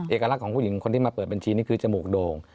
เอกลักษณ์ของผู้หญิงคนที่มาเปิดบัญชีนี่คือจมูกโด่ง